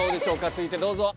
続いてどうぞ。